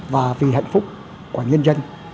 và vì hạnh phúc của nhân dân